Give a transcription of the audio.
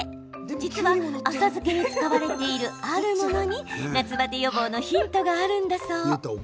実は、あさづけに使われているあるものに、夏バテ予防のヒントがあるんだそう。